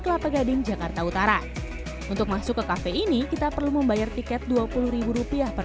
kelapa gading jakarta utara untuk masuk ke kafe ini kita perlu membayar tiket dua puluh rupiah per